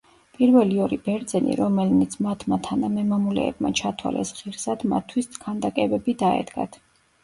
პირველი ორი ბერძენი, რომელნიც მათმა თანამემამულეებმა ჩათვალეს ღირსად მათთვის ქანდაკებები დაედგათ.